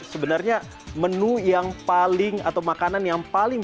sebenarnya menu yang paling atau makanan yang paling